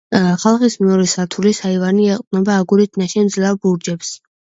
სახლის მეორე სართულის აივანი ეყრდნობა აგურით ნაშენ მძლავრ ბურჯებს.